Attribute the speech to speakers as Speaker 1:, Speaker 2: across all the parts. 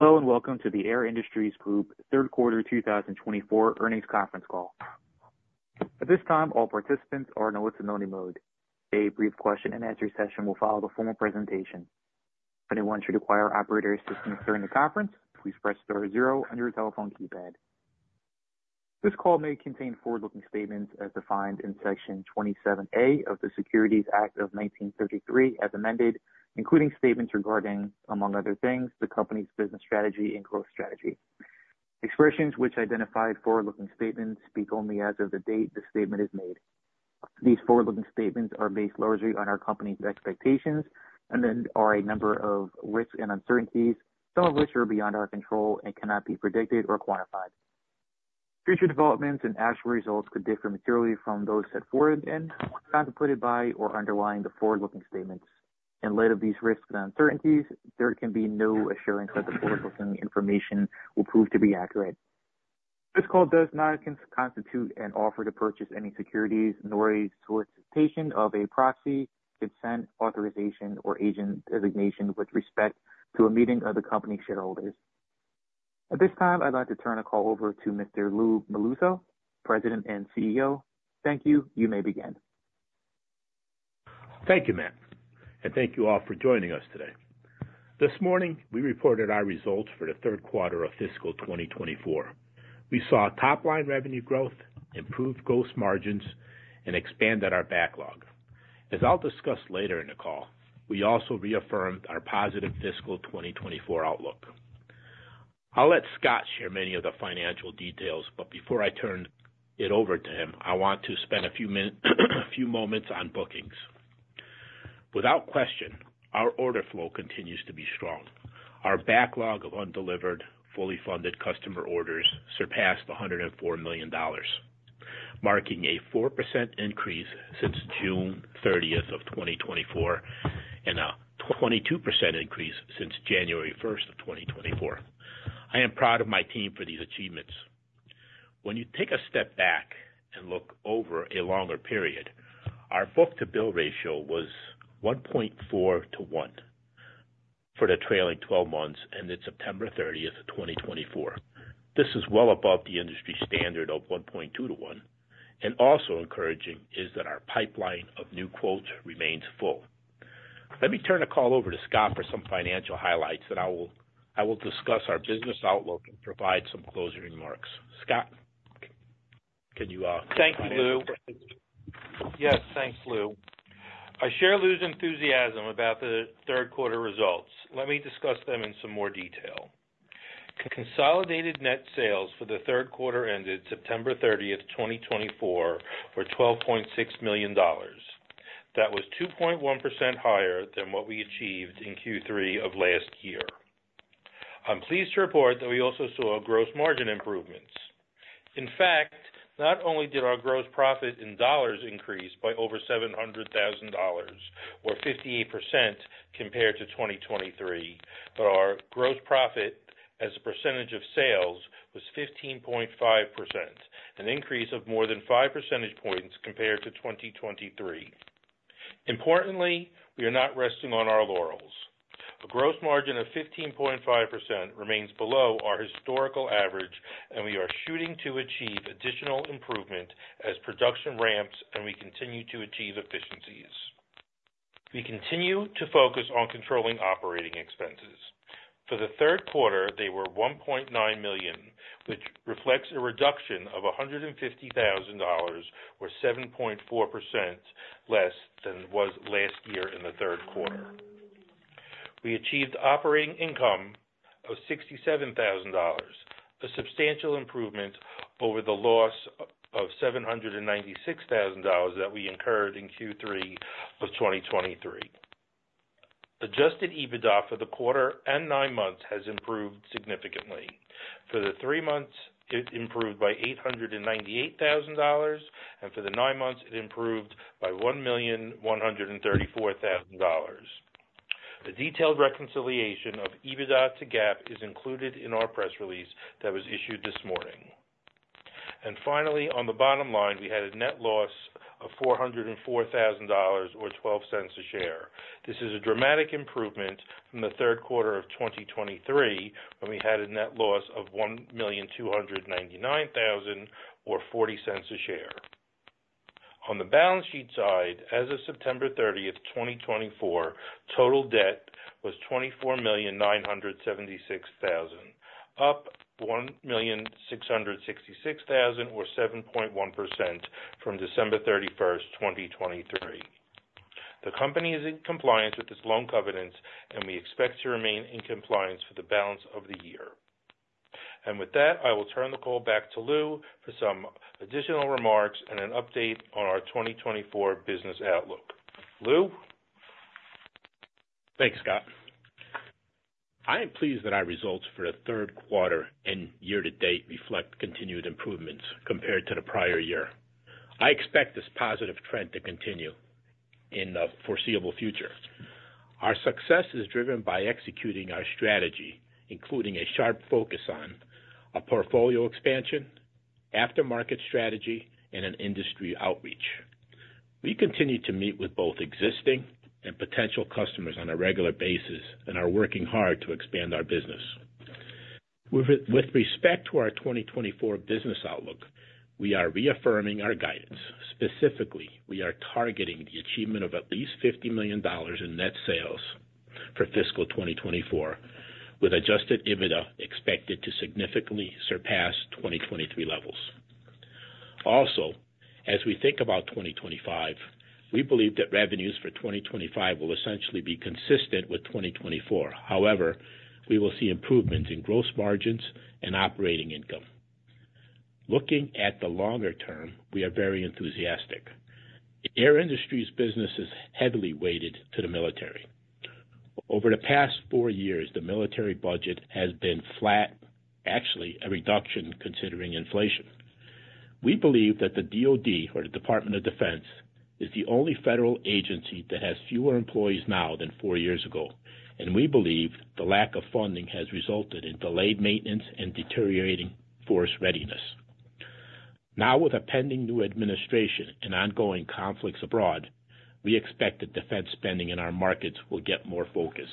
Speaker 1: Hello, and welcome to the Air Industries Group third quarter 2024 earnings conference call. At this time, all participants are in a listen-only mode. A brief question-and-answer session will follow the formal presentation. If anyone should require operator assistance during the conference, please press star zero on your telephone keypad. This call may contain forward-looking statements as defined in Section 27A of the Securities Act of 1933, as amended, including statements regarding, among other things, the company's business strategy and growth strategy. Expressions which identify forward-looking statements speak only as of the date the statement is made. These forward-looking statements are based largely on our company's expectations and there are a number of risks and uncertainties, some of which are beyond our control and cannot be predicted or quantified. Future developments and actual results could differ materially from those set forward and contemplated by or underlying the forward-looking statements. In light of these risks and uncertainties, there can be no assurance that the forward-looking information will prove to be accurate. This call does not constitute an offer to purchase any securities, nor a solicitation of a proxy, consent, authorization, or agent designation with respect to a meeting of the company shareholders. At this time, I'd like to turn the call over to Mr. Lou Melluzzo, President and CEO. Thank you. You may begin.
Speaker 2: Thank you, Matt, and thank you all for joining us today. This morning, we reported our results for the third quarter of fiscal 2024. We saw top-line revenue growth, improved gross margins, and expanded our backlog. As I'll discuss later in the call, we also reaffirmed our positive fiscal 2024 outlook. I'll let Scott share many of the financial details, but before I turn it over to him, I want to spend a few moments on bookings. Without question, our order flow continues to be strong. Our backlog of undelivered, fully funded customer orders surpassed $104 million, marking a 4% increase since June 30th of 2024 and a 22% increase since January 1st of 2024. I am proud of my team for these achievements. When you take a step back and look over a longer period, our book-to-bill ratio was 1.4 to 1 for the trailing 12 months ended September 30th, 2024. This is well above the industry standard of 1.2 to 1. Also encouraging is that our pipeline of new quotes remains full. Let me turn the call over to Scott for some financial highlights, and I will discuss our business outlook and provide some closing remarks. Scott, can you?
Speaker 3: Thank you, Lou. Yes, thanks, Lou. I share Lou's enthusiasm about the third quarter results. Let me discuss them in some more detail. Consolidated net sales for the third quarter ended September 30th, 2024, were $12.6 million. That was 2.1% higher than what we achieved in Q3 of last year. I'm pleased to report that we also saw gross margin improvements. In fact, not only did our gross profit in dollars increase by over $700,000, or 58% compared to 2023, but our gross profit as a percentage of sales was 15.5%, an increase of more than 5 percentage points compared to 2023. Importantly, we are not resting on our laurels. A gross margin of 15.5% remains below our historical average, and we are shooting to achieve additional improvement as production ramps and we continue to achieve efficiencies. We continue to focus on controlling operating expenses. For the third quarter, they were $1.9 million, which reflects a reduction of $150,000, or 7.4% less than was last year in the third quarter. We achieved operating income of $67,000, a substantial improvement over the loss of $796,000 that we incurred in Q3 of 2023. Adjusted EBITDA for the quarter and nine months has improved significantly. For the three months, it improved by $898,000, and for the nine months, it improved by $1,134,000. A detailed reconciliation of EBITDA to GAAP is included in our press release that was issued this morning. And finally, on the bottom line, we had a net loss of $404,000, or $0.12 a share. This is a dramatic improvement from the third quarter of 2023, when we had a net loss of $1,299,000, or $0.40 a share. On the balance sheet side, as of September 30th, 2024, total debt was $24,976,000, up $1,666,000, or 7.1% from December 31st, 2023. The company is in compliance with its loan covenants, and we expect to remain in compliance for the balance of the year. And with that, I will turn the call back to Lou for some additional remarks and an update on our 2024 business outlook. Lou?
Speaker 2: Thanks, Scott. I am pleased that our results for the third quarter and year-to-date reflect continued improvements compared to the prior year. I expect this positive trend to continue in the foreseeable future. Our success is driven by executing our strategy, including a sharp focus on a portfolio expansion, aftermarket strategy, and an industry outreach. We continue to meet with both existing and potential customers on a regular basis and are working hard to expand our business. With respect to our 2024 business outlook, we are reaffirming our guidance. Specifically, we are targeting the achievement of at least $50 million in net sales for fiscal 2024, with Adjusted EBITDA expected to significantly surpass 2023 levels. Also, as we think about 2025, we believe that revenues for 2025 will essentially be consistent with 2024. However, we will see improvements in gross margins and operating income. Looking at the longer term, we are very enthusiastic. Air Industries' business is heavily weighted to the military. Over the past four years, the military budget has been flat, actually a reduction considering inflation. We believe that the DOD, or the Department of Defense, is the only federal agency that has fewer employees now than four years ago, and we believe the lack of funding has resulted in delayed maintenance and deteriorating force readiness. Now, with a pending new administration and ongoing conflicts abroad, we expect that defense spending in our markets will get more focus.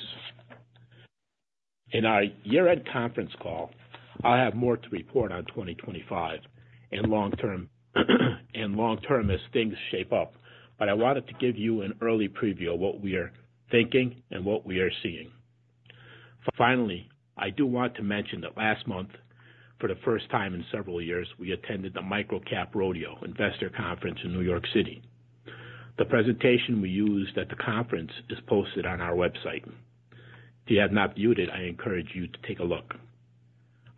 Speaker 2: In our year-end conference call, I'll have more to report on 2025 and long-term as things shape up, but I wanted to give you an early preview of what we are thinking and what we are seeing. Finally, I do want to mention that last month, for the first time in several years, we attended the MicroCap Rodeo investor conference in New York City. The presentation we used at the conference is posted on our website. If you have not viewed it, I encourage you to take a look.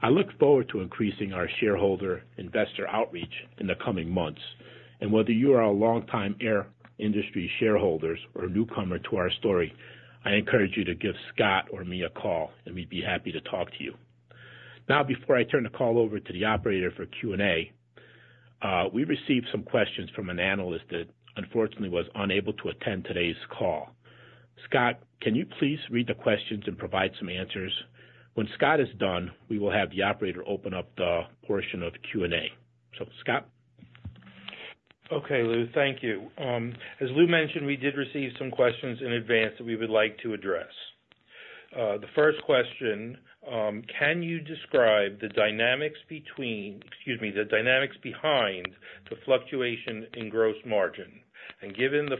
Speaker 2: I look forward to increasing our shareholder investor outreach in the coming months, and whether you are a longtime Air Industries shareholder or a newcomer to our story, I encourage you to give Scott or me a call, and we'd be happy to talk to you. Now, before I turn the call over to the operator for Q&A, we received some questions from an analyst that, unfortunately, was unable to attend today's call. Scott, can you please read the questions and provide some answers? When Scott is done, we will have the operator open up the portion of Q&A.Scott.
Speaker 3: Okay, Lou, thank you. As Lou mentioned, we did receive some questions in advance that we would like to address. The first question, can you describe the dynamics between, excuse me, the dynamics behind the fluctuation in gross margin? Given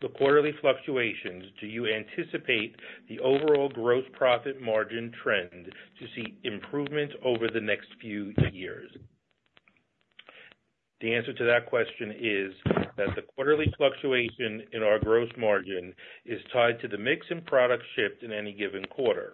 Speaker 3: the quarterly fluctuations, do you anticipate the overall gross profit margin trend to see improvement over the next few years? The answer to that question is that the quarterly fluctuation in our gross margin is tied to the mix of product shipped in any given quarter.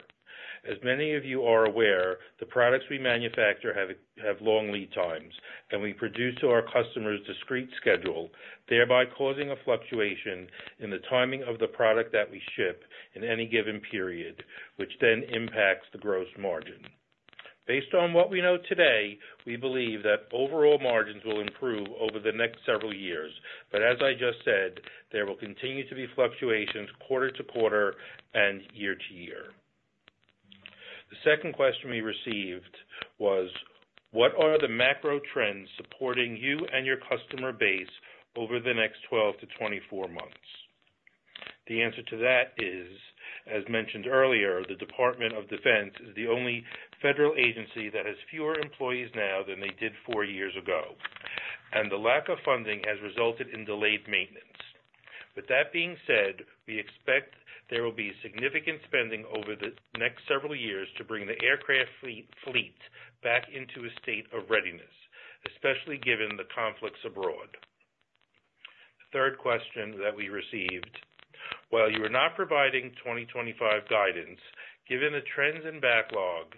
Speaker 3: As many of you are aware, the products we manufacture have long lead times, and we produce to our customers' discrete schedule, thereby causing a fluctuation in the timing of the product that we ship in any given period, which then impacts the gross margin. Based on what we know today, we believe that overall margins will improve over the next several years, but as I just said, there will continue to be fluctuations quarter to quarter and year to year. The second question we received was, what are the macro trends supporting you and your customer base over the next 12-24 months? The answer to that is, as mentioned earlier, the Department of Defense is the only federal agency that has fewer employees now than they did four years ago, and the lack of funding has resulted in delayed maintenance. With that being said, we expect there will be significant spending over the next several years to bring the aircraft fleet back into a state of readiness, especially given the conflicts abroad. The third question that we received, while you are not providing 2025 guidance, given the trends and backlog,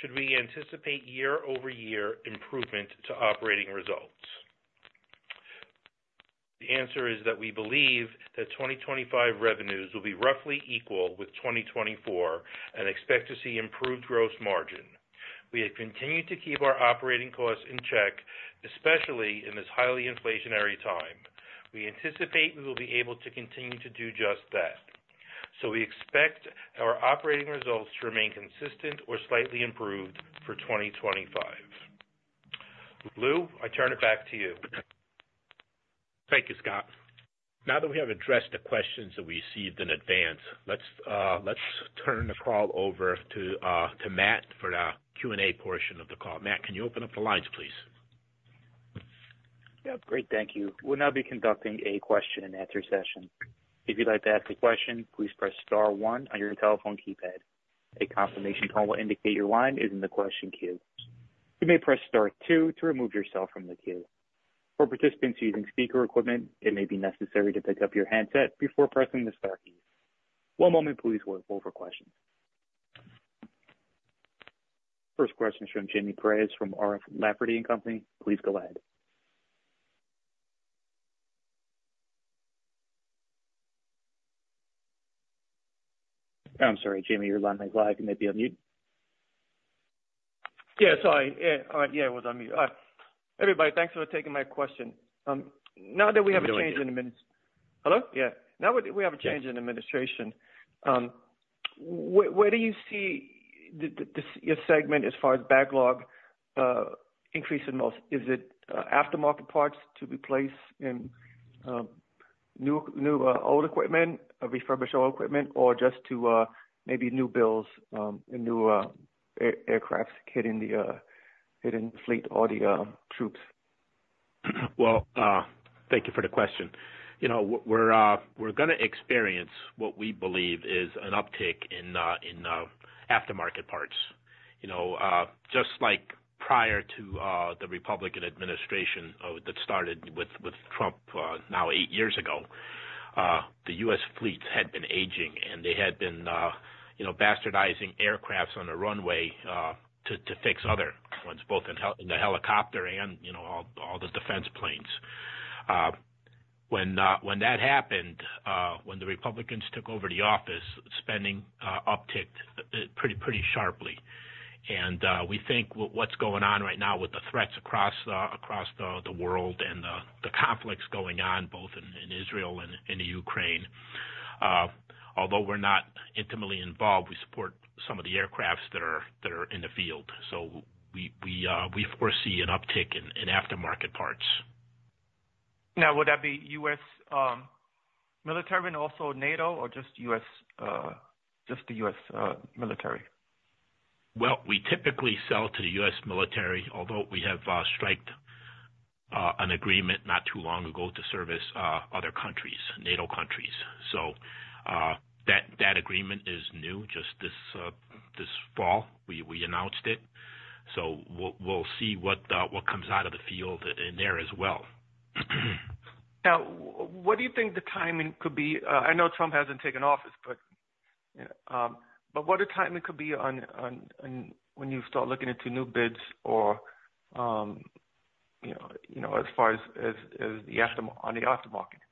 Speaker 3: should we anticipate year-over-year improvement to operating results? The answer is that we believe that 2025 revenues will be roughly equal with 2024 and expect to see improved gross margin. We have continued to keep our operating costs in check, especially in this highly inflationary time. We anticipate we will be able to continue to do just that. We expect our operating results to remain consistent or slightly improved for 2025. Lou, I turn it back to you.
Speaker 2: Thank you, Scott. Now that we have addressed the questions that we received in advance, let's turn the call over to Matt for the Q&A portion of the call. Matt, can you open up the lines, please?
Speaker 1: Yep, great. Thank you. We'll now be conducting a question-and-answer session. If you'd like to ask a question, please press Star 1 on your telephone keypad. A confirmation call will indicate your line is in the question queue. You may press Star 2 to remove yourself from the queue. For participants using speaker equipment, it may be necessary to pick up your handset before pressing the Star key. One moment, please, we'll wait for questions. First question is from Jamie Perez from RF Lafferty & Company. Please go ahead. I'm sorry, Jamie, your line is live. You may be on mute.
Speaker 4: Yeah, sorry. Yeah, I was on mute. Everybody, thanks for taking my question. Now that we have a change in administration, hello? Yeah. Now that we have a change in administration, where do you see your segment as far as backlog increase in most? Is it aftermarket parts to replace in new and old equipment, refurbished old equipment, or just to maybe new builds and new aircraft hitting the fleet or the troops?
Speaker 2: Thank you for the question. We're going to experience what we believe is an uptick in aftermarket parts. Just like prior to the Republican administration that started with Trump now eight years ago, the U.S. fleets had been aging, and they had been bastardizing aircraft on the runway to fix other ones, both in the helicopter and all the defense planes. When that happened, when the Republicans took over the office, spending upticked pretty sharply. We think what's going on right now with the threats across the world and the conflicts going on both in Israel and in Ukraine, although we're not intimately involved, we support some of the aircraft that are in the field. We foresee an uptick in aftermarket parts.
Speaker 4: Now, would that be U.S. military and also NATO, or just the U.S. military?
Speaker 2: We typically sell to the U.S. military, although we have struck an agreement not too long ago to service other countries, NATO countries, so that agreement is new, just this fall. We announced it, so we'll see what comes out of the field in there as well.
Speaker 4: Now, what do you think the timing could be? I know Trump hasn't taken office, but what does timing could be when you start looking into new bids or as far as on the aftermarket?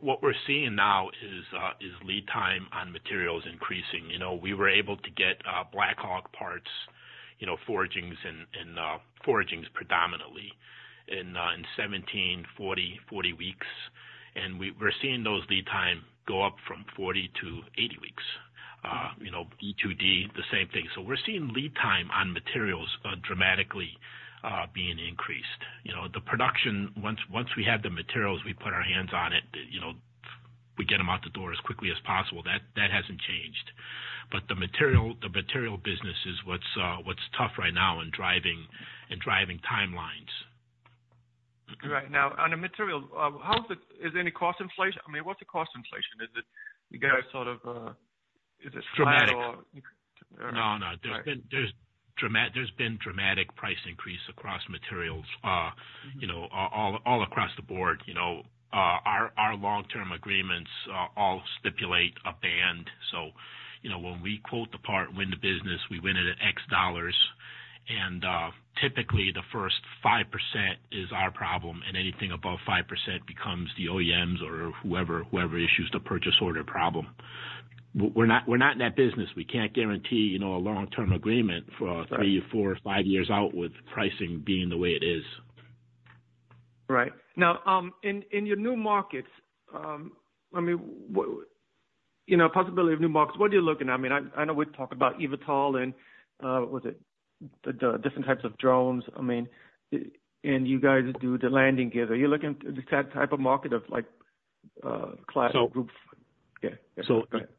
Speaker 2: What we're seeing now is lead time on materials increasing. We were able to get Black Hawk parts, forgings predominantly, in 17-40 weeks, and we're seeing those lead times go up from 40-80 weeks. E-2D, the same thing, so we're seeing lead time on materials dramatically being increased. The production, once we have the materials, we put our hands on it. We get them out the door as quickly as possible. That hasn't changed, but the material business is what's tough right now in driving timelines.
Speaker 4: Right. Now, on the material, is there any cost inflation? I mean, what's the cost inflation? Is it you guys, is it straight or?
Speaker 2: No, no. There's been dramatic price increase across materials, all across the board. Our long-term agreements all stipulate a band. So when we quote the part, win the business, we win it at X dollars. And typically, the first 5% is our problem, and anything above 5% becomes the OEMs or whoever issues the purchase order problem. We're not in that business. We can't guarantee a long-term agreement for three, four, five years out with pricing being the way it is.
Speaker 4: Right. Now, in your new markets, I mean, possibility of new markets, what are you looking at? I mean, I know we talked about eVTOL and, what was it, the different types of drones. I mean, and you guys do the landing gear. Are you looking at that type of market of Air Industries Group?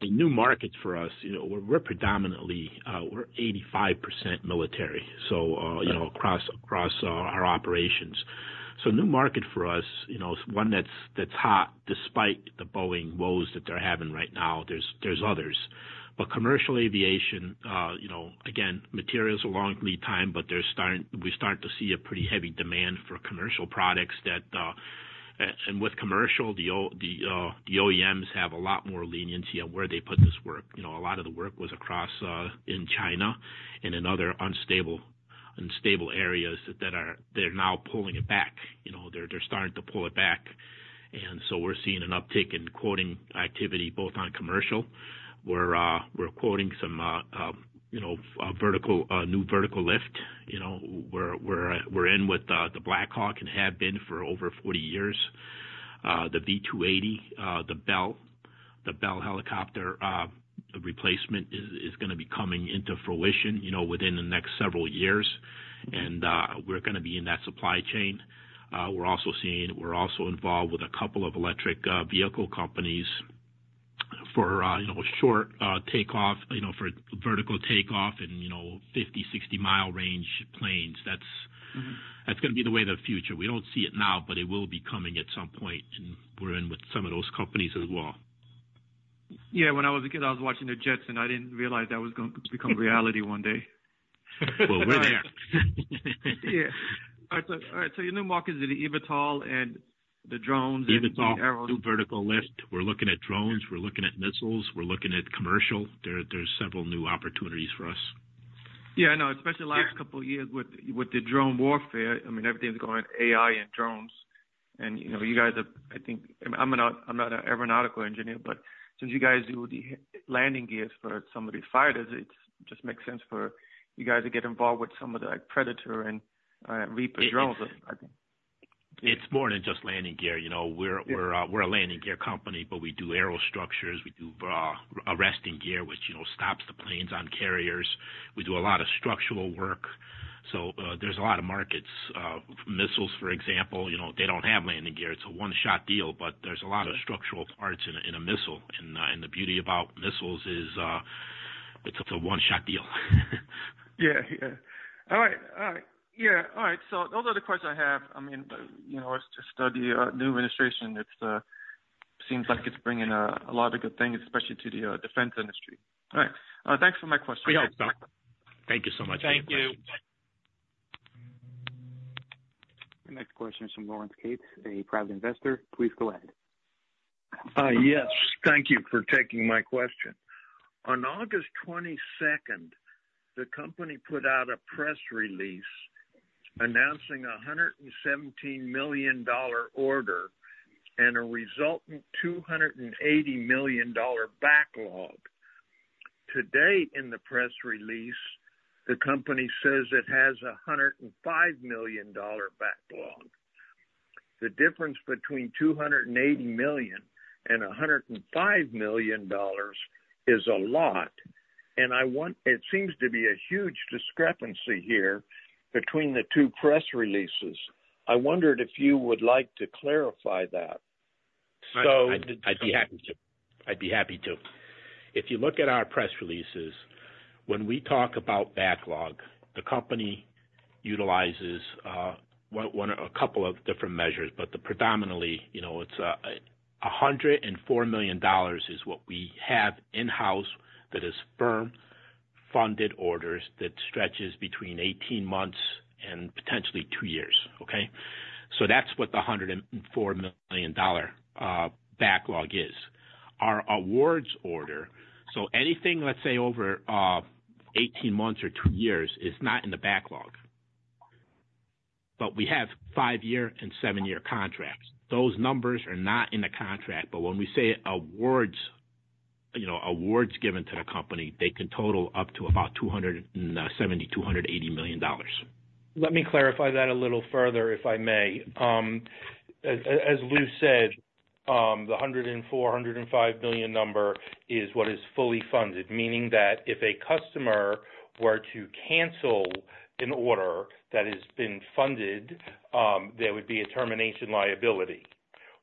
Speaker 2: A new market for us. We're predominantly 85% military, so across our operations. New market for us, one that's hot despite the Boeing woes that they're having right now. There's others. But commercial aviation, again, materials are long lead time, but we start to see a pretty heavy demand for commercial products. With commercial, the OEMs have a lot more leniency on where they put this work. A lot of the work was across in China and in other unstable areas that they're now pulling it back. They're starting to pull it back. We're seeing an uptick in quoting activity both on commercial. We're quoting some new vertical lift. We're in with the Black Hawk and have been for over 40 years. The V280, the Bell helicopter replacement, is going to be coming into fruition within the next several years. We're going to be in that supply chain. We're also involved with a couple of electric vehicle companies for short takeoff, for vertical takeoff and 50-60-mile range planes. That's going to be the way of the future. We don't see it now, but it will be coming at some point. We're in with some of those companies as well.
Speaker 4: Yeah. When I was a kid, I was watching The Jetsons. I didn't realize that was going to become reality one day. Yeah. All right. Your new markets are the eVTOL and the drones and the new aeronautics?
Speaker 2: eVTOL, new vertical lift. We're looking at drones. We're looking at missiles. We're looking at commercial. There's several new opportunities for us.
Speaker 4: Yeah. I know. Especially the last couple of years with the drone warfare, I mean, everything's going AI and drones. You guys are, I think I'm not an aeronautical engineer, but since you guys do the landing gears for some of these fighters, it just makes sense for you guys to get involved with some of the Predator and Reaper drones.
Speaker 2: It's more than just landing gear. We're a landing gear company, but we do aero structures. We do arresting gear, which stops the planes on carriers. We do a lot of structural work. There's a lot of markets. Missiles, for example, they don't have landing gear. It's a one-shot deal, but there's a lot of structural parts in a missile. The beauty about missiles is it's a one-shot deal.
Speaker 4: Yeah. All right. Those are the questions I have. I mean, it's just the new administration. It seems like it's bringing a lot of good things, especially to the defense industry. All right. Thanks for my question. Thank you, Scott. Thank you so much. Thank you.
Speaker 3: Thank you.
Speaker 1: Next question is from Lawrence Cates, a private investor. Please go ahead.
Speaker 5: Yes. Thank you for taking my question. On August 22nd, the company put out a press release announcing a $117 million order and a resultant $280 million backlog. Today, in the press release, the company says it has a $105 million backlog. The difference between $280 million and $105 million is a lot, and it seems to be a huge discrepancy here between the two press releases. I wondered if you would like to clarify that?
Speaker 2: I'd be happy to. I'd be happy to. If you look at our press releases, when we talk about backlog, the company utilizes a couple of different measures, but predominantly, it's $104 million is what we have in-house that is firm-funded orders that stretches between 18 months and potentially two years. Okay? That's what the $104 million backlog is. Our awards order, so anything, let's say, over 18 months or two years is not in the backlog. But we have five-year and seven-year contracts. Those numbers are not in the contract. But when we say awards given to the company, they can total up to about $270-$280 million.
Speaker 3: Let me clarify that a little further, if I may. As Lou said, the $104-$105 million number is what is fully funded, meaning that if a customer were to cancel an order that has been funded, there would be a termination liability.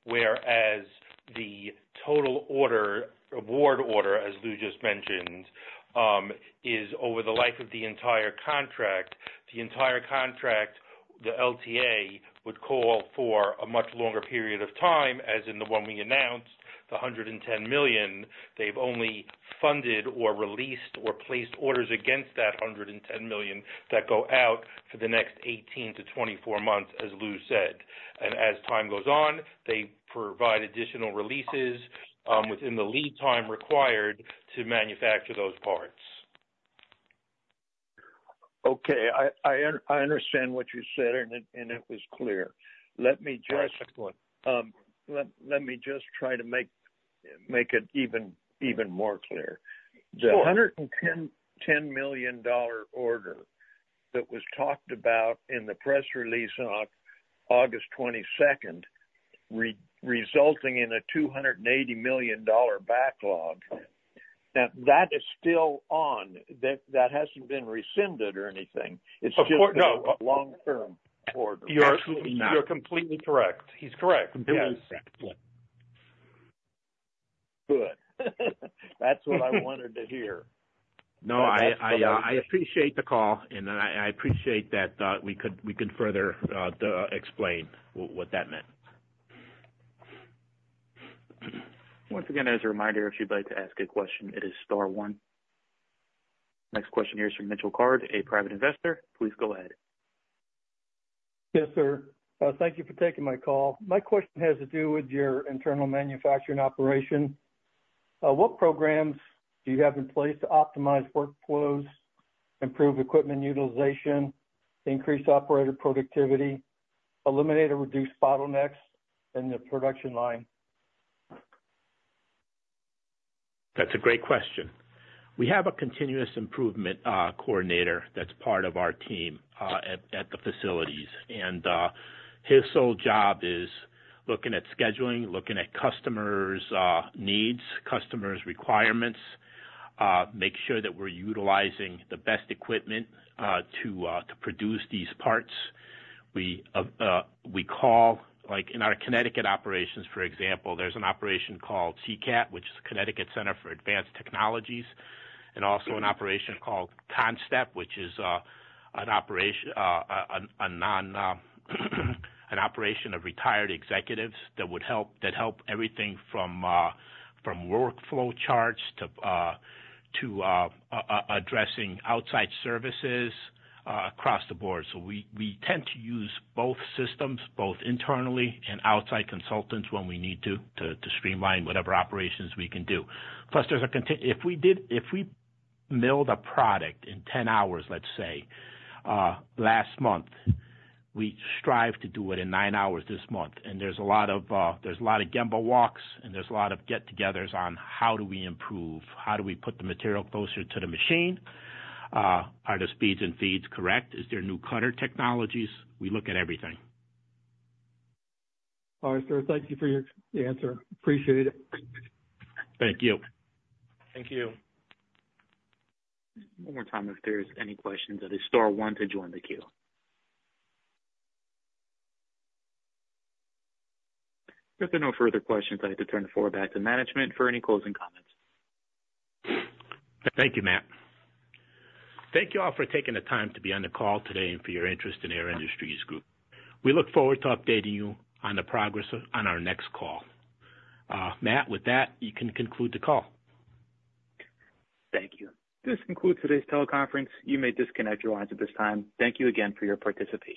Speaker 3: Whereas the total award order, as Lou just mentioned, is over the life of the entire contract. The entire contract, the LTA would call for a much longer period of time, as in the one we announced, the $110 million. They've only funded or released or placed orders against that $110 million that go out for the next 18-24 months, as Lou said, and as time goes on, they provide additional releases within the lead time required to manufacture those parts.
Speaker 5: Okay. I understand what you said, and it was clear. Let me just try to make it even more clear. The $110 million order that was talked about in the press release on August 22nd resulting in a $280 million backlog, that is still on. That hasn't been rescinded or anything. It's still a long-term order.
Speaker 3: You're completely correct. He's correct.
Speaker 5: Completely correct. Good. That's what I wanted to hear.
Speaker 2: No, I appreciate the call, and I appreciate that we could further explain what that meant.
Speaker 1: Once again, as a reminder, if you'd like to ask a question, it is star one. Next question here is from Mitchell Card. A private investor. Please go ahead.
Speaker 6: Yes, sir. Thank you for taking my call. My question has to do with your internal manufacturing operation. What programs do you have in place to optimize workflows, improve equipment utilization, increase operator productivity, eliminate or reduce bottlenecks in the production line?
Speaker 2: That's a great question. We have a continuous improvement coordinator that's part of our team at the facilities, and his sole job is looking at scheduling, looking at customers' needs, customers' requirements, make sure that we're utilizing the best equipment to produce these parts. We call, in our Connecticut operations, for example, there's an operation called CCAT, which is Connecticut Center for Advanced Technology, and also an operation called CONNSTEP, which is an operation of retired executives that would help everything from workflow charts to addressing outside services across the board. We tend to use both systems, both internally and outside consultants when we need to streamline whatever operations we can do. Plus, if we milled a product in 10 hours, let's say, last month, we strive to do it in nine hours this month. There's a lot of Gemba walks, and there's a lot of get-togethers on how do we improve, how do we put the material closer to the machine, are the speeds and feeds correct, is there new cutter technologies. We look at everything.
Speaker 6: All right, sir. Thank you for your answer. Appreciate it. Thank you.
Speaker 1: Thank you. One more time if there's any questions. That is star one to join the queue. If there are no further questions, I'd like to turn the floor back to management for any closing comments.
Speaker 2: Thank you, Matt. Thank you all for taking the time to be on the call today and for your interest in Air Industries Group. We look forward to updating you on the progress on our next call. Matt, with that, you can conclude the call.
Speaker 1: Thank you. This concludes today's teleconference. You may disconnect your lines at this time. Thank you again for your participation.